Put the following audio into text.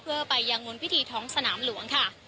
เพื่อไปยังรวมพิธีท้องสนามหลวง